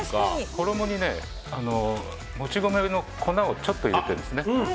衣にもち米の粉をちょっと入れてるんですね。